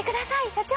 社長！